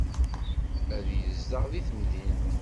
Ad yezdeɣ deg temdint.